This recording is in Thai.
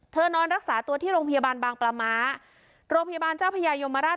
นอนรักษาตัวที่โรงพยาบาลบางปลาม้าโรงพยาบาลเจ้าพญายมราช